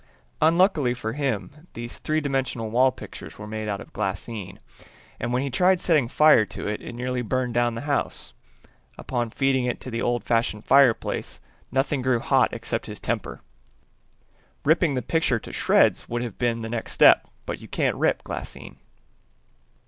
Unluckily for him, these three dimensional wall pictures were made out of glaseine, and when he tried setting fire to it he nearly burned down the house. Upon feeding it to the old fashioned fireplace nothing grew hot except his temper. Ripping the picture to shreds would have been the next step, but you can't rip glaseine.